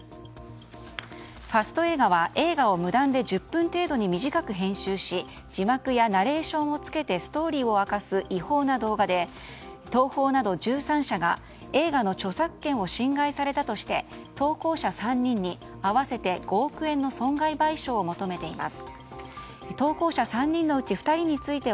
ファスト映画は映画を無断で１０分程度に短く編集し字幕やナレーションを付けてストーリーを明かす違法の動画で東宝など１３社が映画の著作権を侵害されたとして投稿者３人に合わせて５億円の損害賠償を求めています。